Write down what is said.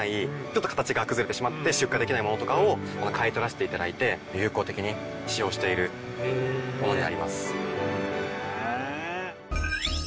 ちょっと形が崩れてしまって出荷できないものとかを買い取らせて頂いて有効的に使用しているものになります。